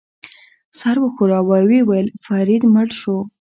سر وښوراوه، ویې ویل: فرید مړ شو.